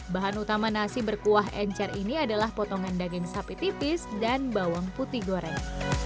bahan utama nasi berkuah encer ini adalah potongan daging sapi tipis dan bawang putih goreng